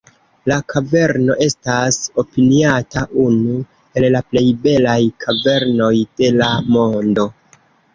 La kaverno estas opiniata unu el la plej belaj kavernoj de la mondo.